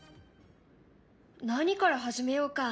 何から始めようか？